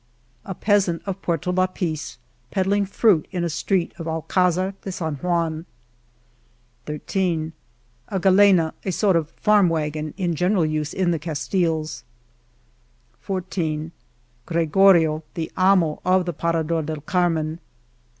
. p A peasant of Puerto Lapice peddling fruit in a street of Alcdzar de San Juan, .... ,10 A '^^ galena,'* a sort of farm wagon, in general use in the Castilles, ......• <f Gregorio, the amo " of the Parador del Carmen